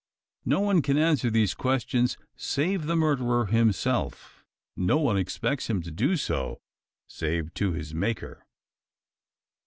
No one can answer these questions, save the murderer himself. No one expects him to do so save to his Maker.